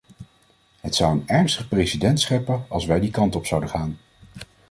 Het zou een ernstig precedent scheppen als wij die kant op zouden gaan.